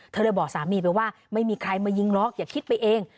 เธอเลยบอกสามีไปว่าไม่มีใครมายิงหรอกอย่าคิดไปเอง